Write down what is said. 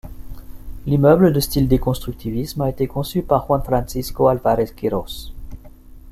L'immeuble de style déconstructivisme a été conçu par Juan Francisco Alavarez Quiros.